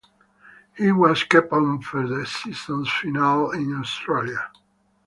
He was kept on for the season's finale in Australia.